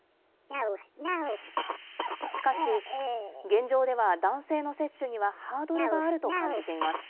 しかし、現状では男性の接種にはハードルがあると感じています。